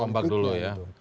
tes ombak dulu ya